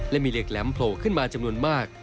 และมีเหล็กแหลมโผล่ขึ้นมาจำนวนมาก